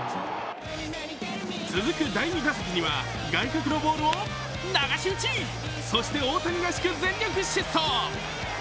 続く第２打席には外角のボールを流し打ち、そして大谷らしく全力疾走。